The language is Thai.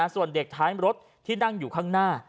ส่วนเด็กท้ายรถที่นั่งอยู่ข้างหน้า